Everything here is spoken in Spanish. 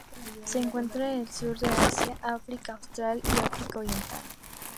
Se encuentra en el Sur de Asia, África austral y África oriental.